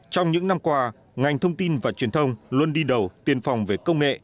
trong những năm qua ngành thông tin và truyền thông luôn đi đầu tiên phòng về công nghệ